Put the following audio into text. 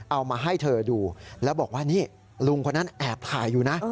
เอามาให้เธอดูแล้วบอกว่านี่ลุงคนนั้นแอบถ่ายอยู่นะ